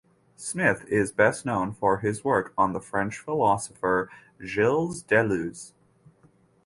Smith is best known for his work on the French philosopher Gilles Deleuze.